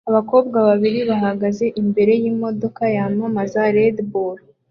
abakobwa babiri bahagaze imbere yimodoka yamamaza Red Bull